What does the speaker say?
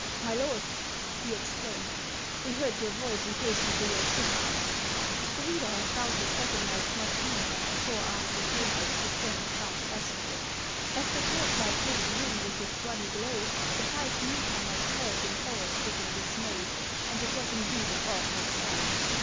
" My lord," he exclaimed, " we heard your voice, and hastened to your assistance." The reader has doubtless recognized Musda. mon and the four armed retainers who formed the count's escort. As the torchlight filled the room with its ruddy glow, the five new comers paused in horror stricken dismay ; and it was indeed an awful sight.